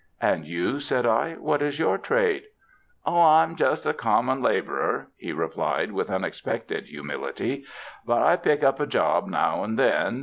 "And you," said I, "what is your trade?" "Oh, I'm just a common laborer," he replied with unexpected humility, "but I pick up a job now and then.